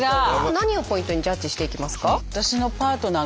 何をポイントにジャッジしていきますか？